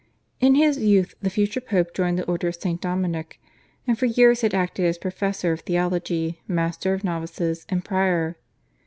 In his youth the future Pope joined the Order of St. Dominic, and for years had acted as professor of theology, master of novices, and prior.